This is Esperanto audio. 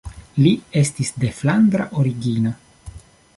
Li estis de flandra origino.